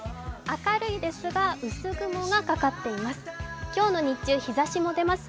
明るいですが、薄雲がかかっています。